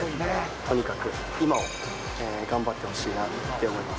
とにかく今を頑張ってほしいなって思います。